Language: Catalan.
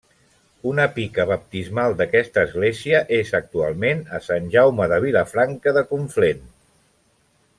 Una pica baptismal d'aquesta església és actualment a Sant Jaume de Vilafranca de Conflent.